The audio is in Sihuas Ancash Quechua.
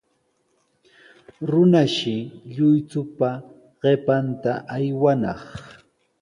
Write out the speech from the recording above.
Runashi lluychupa qipanta aywanaq.